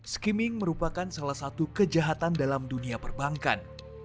skimming merupakan salah satu kejahatan dalam dunia perbankan